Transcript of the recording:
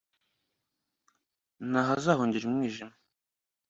nta ho azahungira umwijima